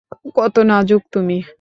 কতো নাজুক তুমি!